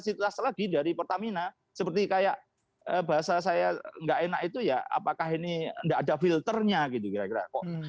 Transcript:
dan kemudian ada yang berasal lagi dari pertamina seperti kayak bahasa saya tidak enak itu ya apakah ini tidak ada filternya gitu kira kira